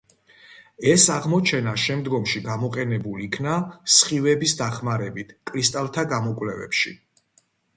ეს აღმოჩენა შემდგომში გამოყენებულ იქნა სხივების დახმარებით კრისტალთა გამოკვლევებში.